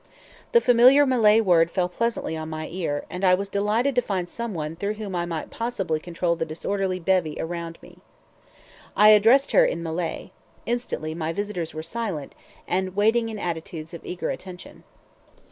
The familiar Malay word fell pleasantly on my ear, and I was delighted to find some one through whom I might possibly control the disorderly bevy around me. I addressed her in Malay. Instantly my visitors were silent, and waiting in attitudes of eager attention.